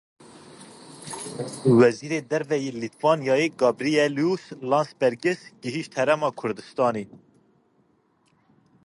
Wezîrê Derve yê Lîtwanyayê Gabrielius Landsbergis gihîşt Herêma Kurdistanê.